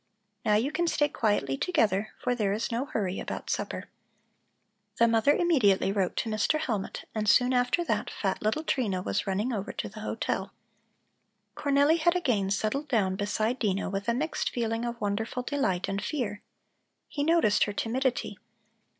Now you can stay quietly together, for there is no hurry about supper." The mother immediately wrote to Mr. Hellmut, and soon after that, fat little Trina was running over to the hotel. Cornelli had again settled down beside Dino with a mixed feeling of wonderful delight and fear. He noticed her timidity.